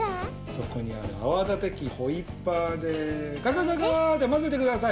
そこにあるあわだてきホイッパーでガガガガーってまぜてください。